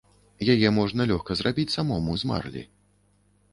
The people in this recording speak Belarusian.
Яе можна лёгка зрабіць самому з марлі.